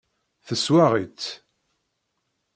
Teswaɣ-itt.